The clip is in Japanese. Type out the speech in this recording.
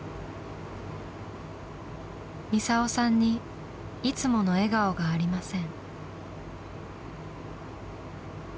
ミサオさんにいつもの笑顔がありません。